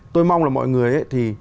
tôi mong là mọi người